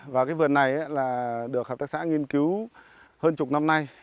và cái vườn này là được hợp tác xã nghiên cứu hơn chục năm nay